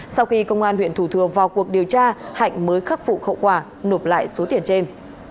sau khi công an huyện thủ thừa vào cuộc điều tra hạnh mới khắc phục khẩu quả nộp lại số tiền trên